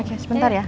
oke sebentar ya